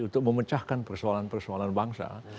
untuk memecahkan persoalan persoalan bangsa